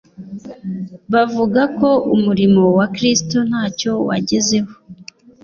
bavuga ko umurimo wa Kristo ntacyo wagezeho.